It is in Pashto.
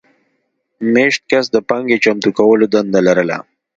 مېشت کس د پانګې چمتو کولو دنده لرله.